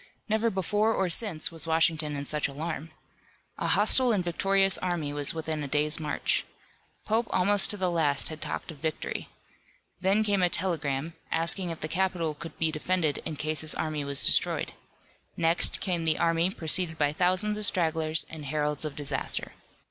Never before or since was Washington in such alarm. A hostile and victorious army was within a day's march. Pope almost to the last had talked of victory. Then came a telegram, asking if the capital could be defended in case his army was destroyed. Next came the army preceded by thousands of stragglers and heralds of disaster.